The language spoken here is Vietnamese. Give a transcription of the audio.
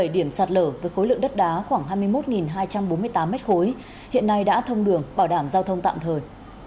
bảy điểm sạt lở với khối lượng đất đá khoảng hai mươi một hai trăm bốn mươi tám m ba hiện nay đã thông đường bảo đảm giao thông tạm thời